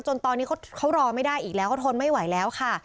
จนตอนนี้เขารอไม่ได้อีกแล้วเขาทนไม่ไหวแล้วค่ะ